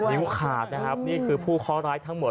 นิ้วขาดนี่คือผู้เคาร้ายทั้งหมด